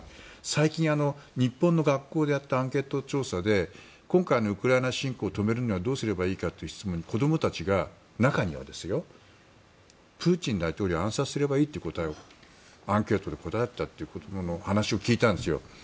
最近、日本の学校でやったアンケート調査で今回のウクライナ侵攻を止めるにはどうすればいいのかという質問に対して子供たちが、中にはプーチン大統領を暗殺すればいいとアンケートで答えたという子供の話を聞いたんですよ。